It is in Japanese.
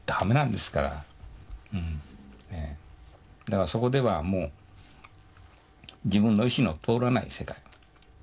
だからそこではもう自分の意思の通らない世界。